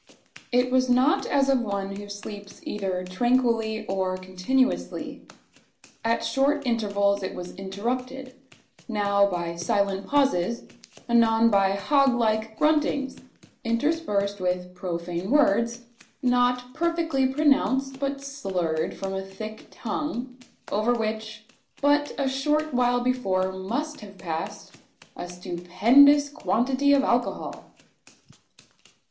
It was not as of one who sleeps either tranquilly, or continuously. At short intervals it was interrupted now by silent pauses anon by hog like gruntings, interspersed with profane words, not perfectly pronounced, but slurred from a thick tongue, over which, but a short while before, must have passed a stupendous quantity of alcohol.